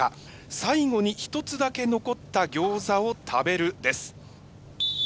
「最後に一つだけ残ったギョーザを食べる」です。